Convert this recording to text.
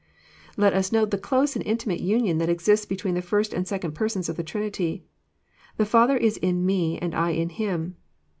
Let us note the close and intimate union that exists between the First and Second Persons of the Trinity :<* The Father is in Me, and I in Him."